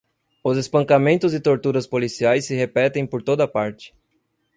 os espancamentos e torturas policiais se repetem por toda parte